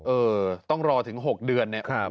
เออต้องรอถึง๖เดือนเนี่ย